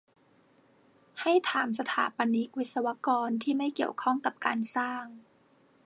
ให้ถามสถาปนิก-วิศวกร ที่ไม่เกี่ยวข้องกับการสร้าง